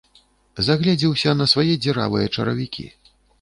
Загледзеўся на свае дзіравыя чаравікі.